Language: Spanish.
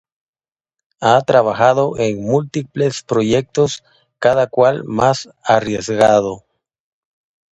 Ha trabajado en múltiples proyectos cada cual más arriesgado.